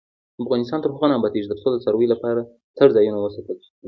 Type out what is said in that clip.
افغانستان تر هغو نه ابادیږي، ترڅو د څارویو لپاره څړځایونه وساتل نشي.